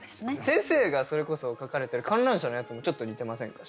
先生がそれこそ書かれてる観覧車のやつもちょっと似てませんか？